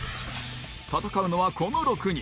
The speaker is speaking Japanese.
戦うのはこの６人